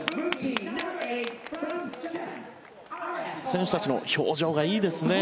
選手たちの表情がいいですね。